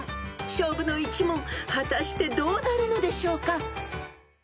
［勝負の１問果たしてどうなるのでしょうか？］